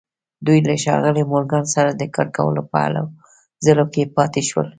دوی له ښاغلي مورګان سره د کار کولو په هلو ځلو کې پاتې شول